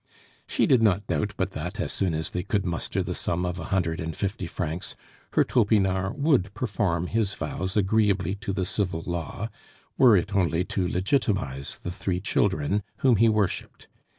She did not doubt but that, as soon as they could muster the sum of a hundred and fifty francs, her Topinard would perform his vows agreeably to the civil law, were it only to legitimize the three children, whom he worshiped.